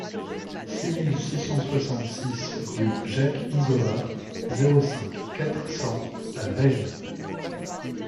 six mille six cent soixante-six rue Jacques Isoard, zéro cinq, quatre cents à Veynes